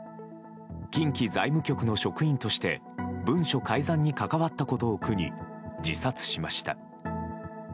近畿財務局の職員として文書改ざんに関わったことを苦に自殺しました。